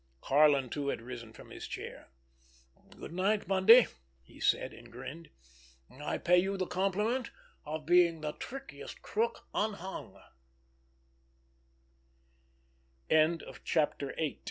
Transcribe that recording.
Karlin too had risen from his chair. "Good night, Bundy!" he said—and grinned. "I pay you the compliment of being the trickiest crook unh